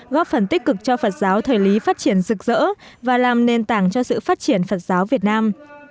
góp phần tích cực cho phật giáo thời lý phát triển rực rỡ và làm nền tảng cho sự phát triển phật giáo việt nam